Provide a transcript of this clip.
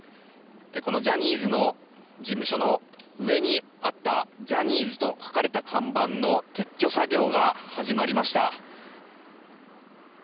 このジャニーズ事務所の上にあったジャニーズと書かれた看板の撤去作業が始まりました。